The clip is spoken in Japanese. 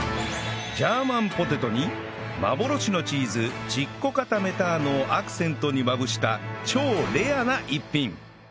ジャーマンポテトに幻のチーズチッコカタメターノをアクセントにまぶした超レアな逸品